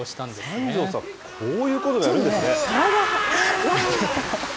三條さん、こういうこともやるんですね。